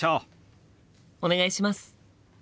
お願いします！